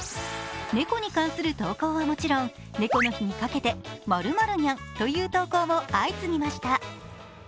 猫に関する投稿はもちろん、猫の日にかけて○○にゃんという投稿も相次ぎました。